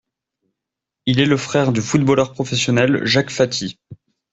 Il est le frère du footballeur professionnel Jacques Faty.